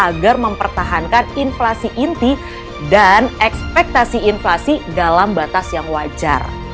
agar mempertahankan inflasi inti dan ekspektasi inflasi dalam batas yang wajar